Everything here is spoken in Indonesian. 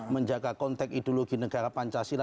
menjaga konteks ideologi negara pancasila